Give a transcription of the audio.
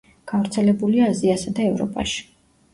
გავრცელებულია აზიასა და ევროპაში.